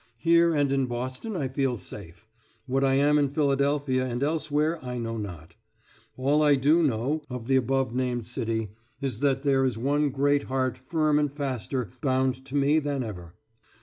Here and in Boston I feel safe. What I am in Philadelphia and elsewhere I know not. All I do [know] of the above named city is that there is one great heart firm and faster bound to me than ever.